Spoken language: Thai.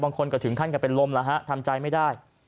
บางคนก็ถึงขั้นกับเป็นลมแล้วฮะทำใจไม่ได้